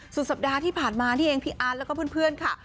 สุดสัปดาห์ที่ผ่านมานี่เองพี่อาร์ดแล้วก็เพื่อนค่ะ